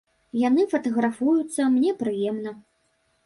Яны фатаграфуюцца, мне прыемна.